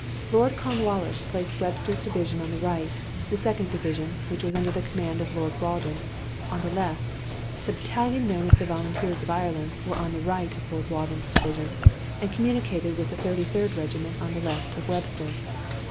Lord Cornwallis placed Webster's division on the right; the second division, which was under the command of Lord Rawdon, on the left; the battalion known as the Volunteers of Ireland were on the right of Lord Rawdon's division and communicated with the Thirty third Regiment on the left of Webster.